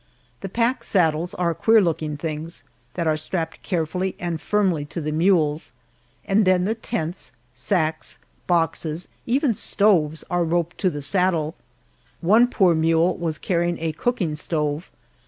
The pack saddles are queer looking things that are strapped carefully and firmly to the mules, and then the tents, sacks, boxes, even stoves are roped to the saddle. One poor mule was carrying a cooking stove.